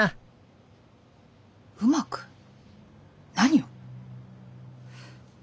うまく？何を？